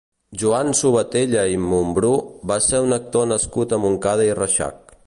Joan Subatella i Mumbrú va ser un actor nascut a Montcada i Reixac.